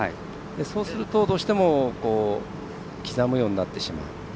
そうすると、どうしても刻むようになってしまう。